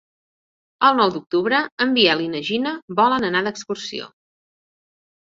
El nou d'octubre en Biel i na Gina volen anar d'excursió.